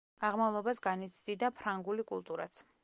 აღმავლობას განიცდიდა ფრანგული კულტურაც.